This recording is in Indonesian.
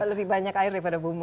lebih banyak air daripada bumbu